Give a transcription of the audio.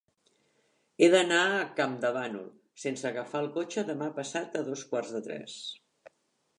He d'anar a Campdevànol sense agafar el cotxe demà passat a dos quarts de tres.